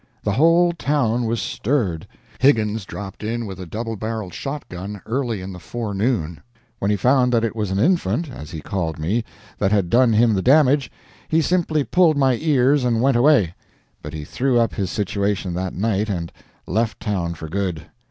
The whole town was stirred. Higgins dropped in with a double barreled shotgun early in the forenoon. When he found that it was an infant (as he called me) that had done him the damage, he simply pulled my ears and went away; but he threw up his situation that night and left town for good.